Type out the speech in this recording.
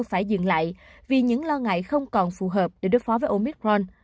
phải dừng lại vì những lo ngại không còn phù hợp để đối phó với omicron